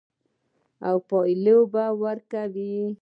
او پایله ورکوي.